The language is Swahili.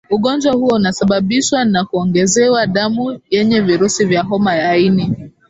ugonjwa huo unasababishwa na kuongezewa damu yenye virusi vya homa ya ini